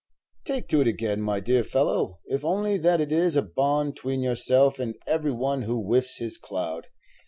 "Take to it again, my dear fellow, if only that it is a bond 'tween yourself and every one who whiffs his cloud.